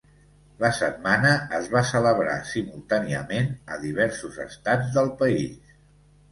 La setmana es va celebrar simultàniament a diversos estats del país.